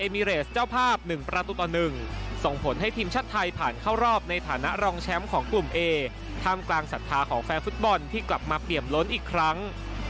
มาเตรียมล้นอีกครั้ง